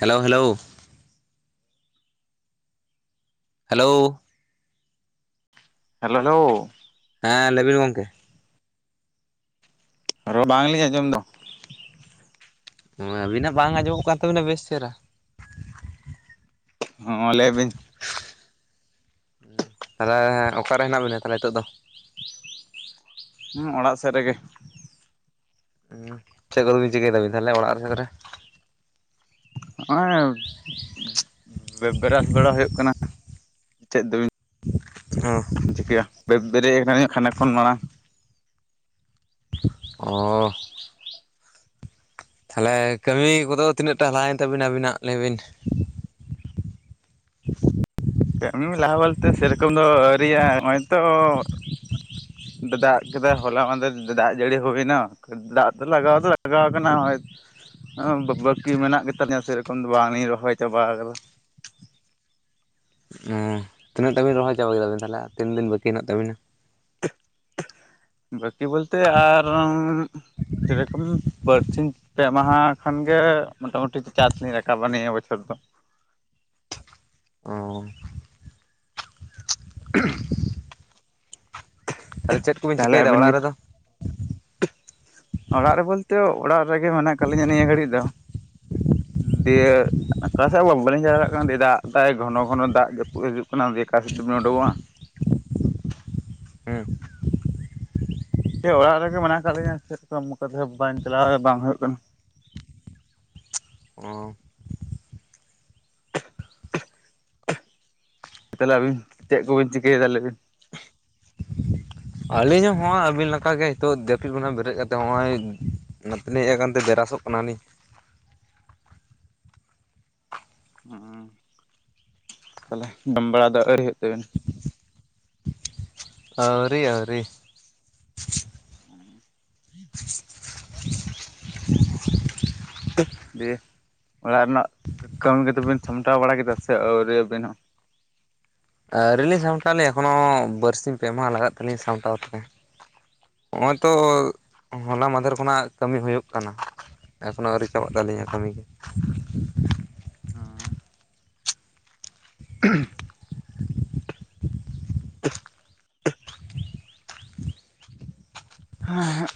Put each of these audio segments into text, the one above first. Hello hello. Hello. Hello hello. ᱦᱮᱸ ᱞᱟᱹᱭ ᱵᱤᱱ ᱜᱚᱝᱠᱮ᱾ ᱟᱨᱚ ᱵᱟᱝᱞᱤᱧ ᱟᱸᱡᱚᱢ ᱮᱫᱟ ᱾ ᱦᱩᱸ ᱟᱵᱤᱱᱟᱜ ᱵᱟᱝ ᱟᱡᱚᱢᱚᱜ ᱠᱟᱱ ᱛᱟᱵᱤᱱᱟ ᱵᱮᱥ ᱪᱮᱦᱨᱟ᱾ ᱦᱚᱸ ᱞᱟᱹᱭ ᱵᱤᱱ᱾ [inaudible] ᱛᱟᱦᱞᱮ ᱚᱠᱟᱨᱮ ᱢᱮᱱᱟᱜ ᱵᱤᱱᱟ ᱛᱟᱞᱦᱮ ᱱᱤᱛᱚᱜ ᱫᱚ? ᱦᱮᱸ ᱚᱲᱟᱜ ᱥᱮᱫ ᱨᱮᱜᱮ᱾ ᱦᱮᱸ ᱪᱮᱫ ᱠᱚᱫᱚ ᱵᱤᱱ ᱪᱤᱠᱟᱹᱭ ᱮᱫᱟᱵᱤᱱ ᱛᱟᱦᱚᱞᱮ ᱚᱲᱟᱜ ᱨᱮ ᱥᱮᱫ ᱨᱮ? ᱦᱚᱜ-ᱚᱭ [inaudible] ᱵᱨᱟ-ᱵᱨᱟᱥ ᱵᱟᱲᱟ ᱦᱩᱭᱩᱜ ᱠᱟᱱᱟ᱾ [inaudible] ᱪᱮᱫ ᱫᱚᱵᱤᱱ ᱦᱚᱸ᱾ ᱪᱤᱠᱟᱹᱭᱟ ᱵᱮ-ᱵᱮᱨᱮᱫ ᱟᱠᱟᱱᱟᱹᱧ ᱠᱷᱟᱱᱮᱜ ᱠᱷᱚᱱ ᱢᱟᱲᱟᱝ᱾ ᱚᱻ ᱛᱟᱦᱚᱞᱮ ᱠᱟᱹᱢᱤ ᱠᱚᱫᱚ ᱛᱤᱱᱟᱹᱜ ᱴᱟᱜ ᱞᱟᱦᱟᱭᱮᱱ ᱛᱟᱵᱤᱱᱟ ᱟᱵᱤᱱᱟᱜ ᱞᱟᱹᱭᱵᱤᱱ ᱾ [inaudible] ᱠᱟᱹᱢᱤ ᱞᱟᱦᱟ ᱵᱚᱞᱛᱮ ᱥᱮᱨᱚᱠᱚᱢ ᱫᱚ ᱟᱹᱣᱨᱤᱭᱟᱜ-ᱟ ᱱᱚᱜ-ᱚᱭ ᱛᱚ ᱫᱟ-ᱫᱟᱜ ᱠᱮᱫᱟ ᱦᱚᱞᱟ ᱢᱟᱸᱫᱷᱮᱨ ᱫᱟ-ᱫᱟᱜ ᱡᱟᱹᱲᱤ ᱦᱩᱭᱮᱱᱟ ᱾ ᱫᱟᱜ ᱫᱚ ᱞᱟᱜᱟᱣ ᱫᱚ ᱞᱟᱜᱟᱣ ᱠᱟᱱᱟ ᱦᱚᱜ-ᱚᱭ ᱵᱟ-ᱵᱟᱠᱤ ᱢᱮᱱᱟᱜ ᱜᱮ ᱛᱟᱞᱤᱧᱟ ᱥᱮᱨᱚᱠᱚᱢ ᱫᱚ ᱵᱟᱝᱞᱤᱧ ᱨᱚᱦᱚᱭ ᱪᱟᱵᱟ ᱟᱠᱟᱫᱟ᱾ ᱚᱸ ᱛᱤᱱᱟᱹᱜ ᱴᱟᱜ ᱵᱤᱱ ᱨᱚᱦᱚᱭ ᱪᱟᱵᱟ ᱠᱮᱫᱟᱵᱤᱱ ᱛᱟᱦᱚᱞᱮ, ᱟᱨ ᱛᱤᱱ ᱫᱤᱱ ᱵᱟᱹᱠᱤ ᱦᱮᱱᱟᱜ ᱛᱟᱵᱤᱱᱟ? ᱵᱟᱠᱤ ᱵᱚᱞᱛᱮ ᱟᱨ ᱥᱮᱨᱚᱠᱚᱢ ᱵᱟᱹᱨᱥᱤᱧ ᱯᱮ ᱢᱟᱦᱟ ᱠᱷᱟᱱ ᱜᱮ ᱢᱚᱴᱟᱢᱩᱴᱤ ᱪᱟᱥᱞᱤᱧ ᱨᱟᱠᱟᱵᱟ ᱱᱤᱭᱟᱹ ᱵᱚᱪᱷᱚᱨ ᱫᱚ᱾ ᱚᱸᱻ ᱾ [inaudible] ᱟᱨᱮ ᱪᱮᱫ ᱠᱚᱵᱤᱱ ᱛᱟᱦᱞᱮ ᱪᱤᱠᱟᱹᱭᱮᱫᱟ ᱟᱹᱵᱤᱱ ᱜᱮ [inaudible] ᱚᱲᱟᱜ ᱨᱮ ᱵᱚᱞᱛᱮ, ᱚᱲᱟᱜ ᱨᱮᱜᱮ ᱢᱮᱱᱟᱜ ᱠᱟᱜ ᱞᱤᱧᱟ ᱱᱤᱭᱟᱹ ᱜᱷᱟᱹᱲᱤᱡ ᱫᱚ᱾ ᱫᱤᱭᱮ ᱚᱠᱟᱥᱮᱫ ᱦᱚ ᱵᱟ-ᱵᱟᱹᱞᱤᱧ ᱪᱟᱞᱟᱣ ᱫᱟᱲᱮᱭᱟᱜ ᱠᱟᱱᱟ, ᱫᱤᱭᱮ ᱫᱟᱜ ᱫᱟᱭ ᱜᱷᱚᱱᱚ ᱜᱷᱚᱱᱚ ᱫᱟᱜ ᱡᱟᱹᱯᱩᱜ ᱦᱤᱡᱩᱜ ᱠᱟᱱᱟ᱾ ᱫᱤᱭᱮ ᱚᱠᱟᱥᱮᱫ ᱫᱚᱵᱤᱱ ᱩᱰᱠᱚᱜᱼᱟ? ᱦᱮᱸ᱾ ᱫᱤᱭᱮ ᱚᱲᱟᱜ ᱨᱮᱜᱮ ᱢᱮᱱᱟᱜ ᱟᱠᱟᱫ ᱞᱤᱧᱟᱹ ᱾ᱪᱮᱫᱚᱢᱠᱟ [unintelligible] ᱵᱟᱝ ᱪᱟᱞᱟᱣ ᱵᱟᱝ ᱦᱩᱭᱩᱜ ᱠᱟᱱᱟ᱾ ᱚᱻ᱾ ᱛᱟᱦᱚᱞᱮ ᱟᱹᱵᱤᱱ ᱪᱮᱫ ᱠᱚᱵᱤᱱ ᱪᱤᱠᱟᱹᱭᱮᱫᱟ ᱞᱟᱹᱭ ᱵᱤᱱ? ᱟᱹᱞᱤᱧ ᱦᱚᱸᱜᱚᱭ ᱟᱹᱵᱤᱱ ᱞᱮᱠᱟ ᱜᱮ ᱱᱤᱛᱚᱜ ᱡᱟᱹᱯᱤᱫ ᱠᱷᱚᱱᱟᱜ ᱵᱮᱨᱮᱫ ᱠᱟᱛᱮᱜ ᱱᱚᱜᱼᱚᱭ ᱱᱚᱛᱮ ᱞᱤᱧ ᱦᱮᱡ ᱟᱠᱟᱱ ᱛᱮ ᱵᱨᱟᱥᱚᱜ ᱠᱟᱱᱟᱞᱤᱧ᱾ ᱦᱚᱸ᱾ ᱛᱟᱦᱚᱞᱮ ᱡᱚᱢ ᱵᱟᱲᱟ ᱫᱚ ᱟᱹᱣᱨᱤ ᱦᱩᱭᱩᱜ ᱛᱟᱹᱵᱤᱱᱟ? ᱟᱹᱣᱨᱤ ᱟᱹᱣᱨᱤ ᱾ [inaudible] ᱫᱤᱭᱮ ᱚᱲᱟᱜ ᱨᱮᱱᱟᱜ ᱠᱟᱹᱢᱤ ᱠᱚᱫᱚᱵᱤᱱ ᱥᱟᱢᱴᱟᱣ ᱵᱟᱲᱟ ᱠᱮᱫᱟ ᱥᱮ ᱟᱹᱣᱨᱤ ᱟᱹᱵᱤᱱ ᱦᱚᱸ? ᱟᱹᱣᱨᱤ ᱞᱤᱧ ᱥᱟᱢᱴᱟᱣᱞᱤᱧ ᱮᱠᱷᱚᱱᱳ ᱵᱟᱨᱥᱤᱧ ᱯᱮ ᱢᱟᱦᱟᱸ ᱞᱟᱜᱟᱜ ᱛᱟᱹᱞᱤᱧ ᱥᱟᱢᱴᱟᱣ ᱛᱮ᱾ ᱦᱚᱜᱼᱚᱭ ᱛᱚ ᱦᱚᱞᱟ ᱢᱟᱫᱷᱮᱨ ᱠᱷᱚᱱᱟᱜ ᱠᱟᱹᱢᱤ ᱦᱩᱭᱩᱜ ᱠᱟᱱᱟ ᱾ ᱮᱠᱷᱚᱱᱚ ᱟᱹᱣᱨᱤ ᱪᱟᱵᱟᱜ ᱛᱟᱹᱞᱤᱧᱟ ᱠᱟᱹᱢᱤ ᱾ [inaudible] ᱦᱮᱸ ᱾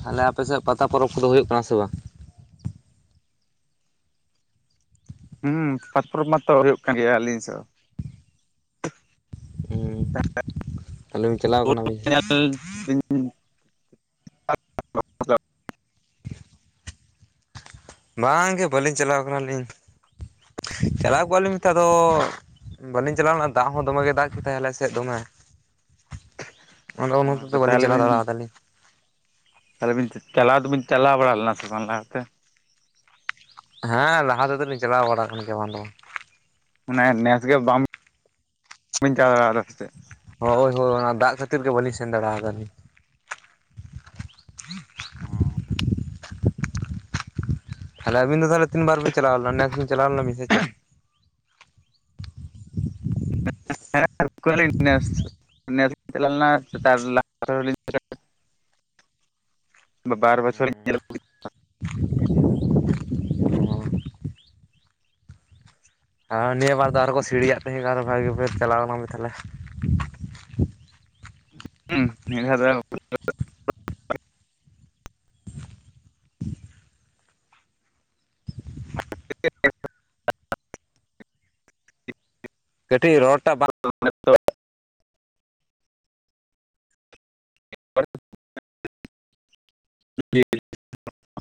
ᱛᱷᱟᱞᱮ ᱟᱯᱮᱥᱮᱫ ᱯᱟᱛᱟ ᱯᱚᱨᱚᱵᱽ ᱠᱚᱫᱚ ᱦᱩᱭᱩᱜ ᱠᱟᱱᱟ ᱥᱮ ᱵᱟᱝ? ᱦᱩᱸ ᱯᱟᱛᱚᱨ ᱢᱟᱛᱚ ᱦᱩᱭᱩᱜ ᱠᱟᱱ ᱜᱮᱭᱟ ᱟᱹᱞᱤᱧ ᱥᱮᱫ ᱦᱚᱸ ᱾ ᱦᱩᱸ ᱛᱷᱟᱞᱮ ᱵᱤᱱ ᱪᱟᱞᱟᱣ ᱠᱟᱱᱟ ᱵᱤᱱ ᱾ [unintelligible] ᱦᱮᱸ ᱵᱟᱝᱜᱮ ᱵᱟᱹᱞᱤᱧ ᱪᱟᱞᱟᱣ ᱠᱟᱱᱟᱞᱤᱧ ᱪᱟᱞᱟᱣ ᱠᱚᱜ ᱞᱤᱧ ᱢᱮᱱᱛᱮ ᱟᱫᱚ ᱵᱟᱹᱞᱤᱧ ᱪᱟᱞᱟᱣ ᱞᱮᱱᱟ ᱫᱟᱜ ᱦᱚᱸ ᱫᱚᱢᱮ ᱜᱮ ᱫᱟᱜ ᱠᱮᱫᱛᱟᱭ ᱟᱞᱮ ᱥᱮᱫ ᱫᱚᱢᱮ ᱾ ᱚᱱᱟ ᱚᱱᱟᱛᱮ ᱦᱚᱛᱮᱛᱮ ᱵᱟᱹᱞᱤᱧ ᱛᱟᱦᱚᱞᱮ ᱪᱟᱞᱟᱣ ᱵᱤᱱ ᱫᱟᱲᱮᱭᱟᱫᱟᱜ ᱞᱤᱧ ᱾ ᱛᱟᱦᱚᱞᱮ ᱵᱤᱱ ᱪᱟᱞᱟᱣ ᱫᱚᱵᱤᱱ ᱪᱟᱞᱟᱣ ᱵᱟᱲᱟ ᱞᱮᱱᱟ ᱥᱮ ᱵᱟᱝ ᱞᱟᱦᱟ ᱛᱮ ᱾ ᱦᱮᱸ ᱞᱟᱦᱟᱸ ᱛᱮᱫᱚ ᱞᱤᱧ ᱪᱟᱞᱟᱣ ᱵᱟᱲᱟᱜ ᱟᱠᱟᱱᱟ ᱜᱮᱭᱟ ᱵᱟᱝ ᱫᱚ ᱵᱟᱝ ᱾ ᱢᱟᱱᱮ ᱱᱮᱥ ᱜᱮ ᱵᱟᱝ ᱵᱟᱹᱧ ᱪᱟ ᱫᱟᱲᱮᱼᱟ ᱟᱫᱟ ᱥᱮ ᱪᱮᱫ ᱦᱳᱭ ᱦᱳᱭ ᱚᱱᱟ ᱫᱟᱜ ᱠᱷᱟᱹᱛᱤᱨ ᱜᱮ ᱵᱟᱹᱞᱤᱧ ᱥᱮᱱ ᱫᱟᱲᱮ ᱟᱫᱟᱞᱤᱧ ᱾ ᱦᱚᱸᱻ ᱛᱟᱦᱞᱮ ᱟᱹᱵᱤᱱ ᱫᱚ ᱛᱟᱦᱚᱞᱮ ᱛᱤᱱ ᱵᱟᱨ ᱵᱤᱱ ᱪᱟᱞᱟᱣᱱᱟ ᱱᱮᱥ ᱵᱤᱱ ᱪᱟᱞᱟᱣ ᱞᱮᱱᱟ ᱵᱤᱱ ᱥᱮ ᱪᱮᱫ? [inaudible] ᱱᱮᱥ ᱱᱮᱥ ᱞᱤᱧ ᱪᱟᱞᱟᱣ ᱞᱮᱱᱟ ᱛᱷᱟᱨ ᱞᱟᱦᱟᱸ ᱵᱟᱨ ᱞᱤᱧ ᱪᱟᱞᱟᱣ [unintelligible] ᱵᱟᱨ ᱵᱚᱪᱷᱚᱨ ᱞᱤᱧ ᱦᱮᱸ ᱧᱮᱞ ᱟᱹᱜᱩ [unintelligible] ᱟᱨ ᱱᱤᱭᱟᱹ ᱵᱟᱨ ᱫᱚ ᱟᱨᱦᱚᱸ ᱠᱚ ᱥᱤᱲᱤᱭᱟᱜ ᱛᱟᱦᱮᱸ ᱠᱟᱱᱟ ᱵᱷᱟᱹᱜᱤ ᱵᱤᱱ ᱪᱟᱞᱟᱣ ᱞᱮᱱᱟ ᱢᱮ ᱛᱟᱦᱚᱞᱮ ᱾ ᱦᱩᱸ ᱱᱤᱭᱟᱹ ᱫᱷᱟᱣ ᱫᱚ [unintelligible] [unintelligible] ᱠᱟᱹᱴᱤᱡ ᱨᱚᱲ ᱴᱟᱜ ᱵᱟᱝ [unintelligible] [unintelligible] ᱴᱷ [unintelligible]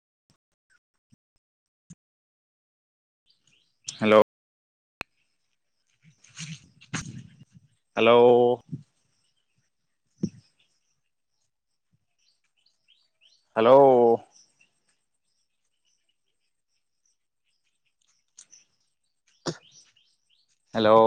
ᱦᱮᱞᱳ ᱦᱮᱞᱳ᱾ ᱦᱮᱞᱳ᱾ ᱦᱮᱞᱳ᱾